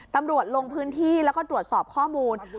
ตำรวจลงพื้นที่แล้วก็ตรวจสอบข้อมูล